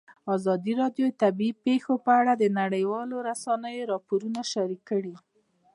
ازادي راډیو د طبیعي پېښې په اړه د نړیوالو رسنیو راپورونه شریک کړي.